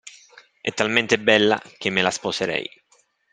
È talmente bella che me la sposerei.